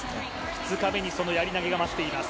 ２日目に、そのやり投げが待っています。